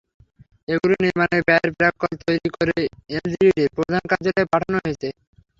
এগুলোর নির্মাণের ব্যয়ের প্রাক্কলন তৈরি করে এলজিইডির প্রধান কার্যালয়ে পাঠানো হয়েছে।